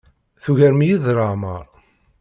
Tugarem-iyi deg leɛmeṛ.